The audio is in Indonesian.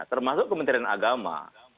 termasuk kementerian agama